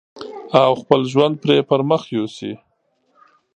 او خپل ژوند پرې پرمخ يوسي.